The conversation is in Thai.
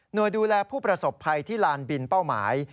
โดยดูแลผู้ประสบภัยที่ลานบินเป้าหมาย